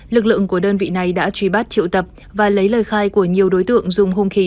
lực lượng của đơn vị này đã truy bắt triệu tập và lấy lời khai của nhiều đối tượng dùng hung khí